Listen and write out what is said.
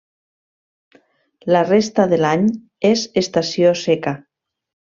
La resta de l'any és estació seca.